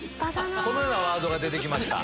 このようなワードが出て来ました。